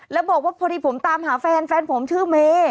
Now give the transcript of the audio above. แล้วบอกว่าพอดีผมตามหาแฟนแฟนผมชื่อเมย์